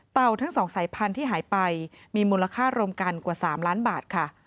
ทั้ง๒สายพันธุ์ที่หายไปมีมูลค่ารวมกันกว่า๓ล้านบาทค่ะ